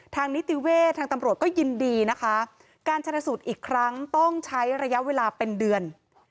นิติเวศทางตำรวจก็ยินดีนะคะการชนสูตรอีกครั้งต้องใช้ระยะเวลาเป็นเดือน